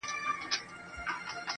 سم داسي ښكاري راته.